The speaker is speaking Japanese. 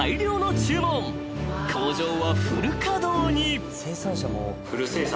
［工場はフル稼働に］